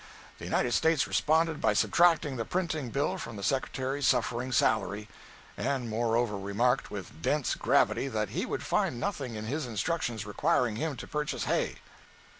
The United States responded by subtracting the printing bill from the Secretary's suffering salary—and moreover remarked with dense gravity that he would find nothing in his "instructions" requiring him to purchase hay!